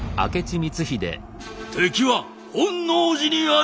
敵は本能寺にあり！